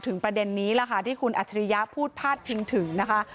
ประเด็นนี้ล่ะค่ะที่คุณอัจฉริยะพูดพาดพิงถึงนะคะ